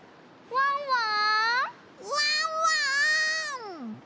ワンワーン！